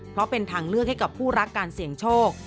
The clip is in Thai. เพราะเป็นทางเลือกให้กับผู้รักการเสี่ยงโชค